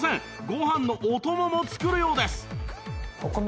ご飯のお供も作るようです